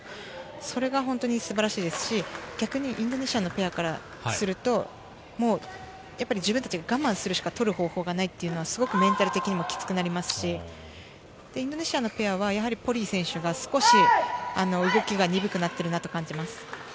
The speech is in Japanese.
それが本当に素晴らしいですし、逆にインドネシアのペアからすると自分たちが我慢するしか取る方法がないっていうのがメンタル的にもきつくなりますし、インドネシアのペアは、やはりポリイ選手が動きが鈍くなっているなと感じます。